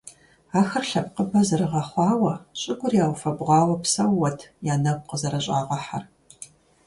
Ахэр лъэпкъыбэ зэрыгъэхъуауэ, щӀыгур яуфэбгъуауэ псэууэт я нэгу къызэрыщӀагъэхьэр.